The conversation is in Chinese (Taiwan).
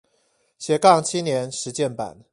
斜槓青年實踐版